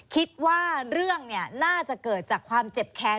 คิดว่าเรื่องน่าจะเกิดจากความเจ็บแค้น